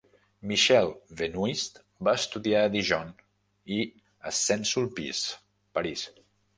Michel Benoist va estudiar a Dijon i a Saint Sulpice, Paris.